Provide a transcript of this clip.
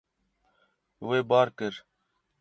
Wê bar kir.